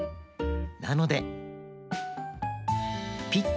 なのでピッ！